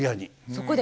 そこで？